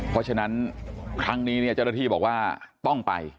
เพราะฉะนั้นครั้งนี้เนี่ยเจ้าหน้าที่บอกว่าต้องไป